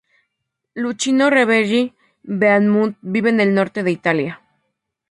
Luchino Revelli-Beaumont vive en el norte de Italia.